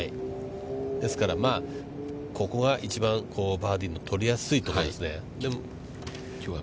ですから、ここが一番バーディーの取りやすいところですね。